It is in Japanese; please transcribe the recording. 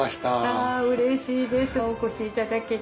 あうれしいですお越しいただけて。